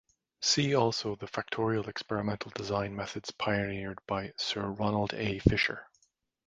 See also the factorial experimental design methods pioneered by Sir Ronald A. Fisher.